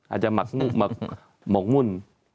อาจจะหมกมุ่น